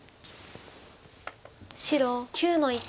白９の一。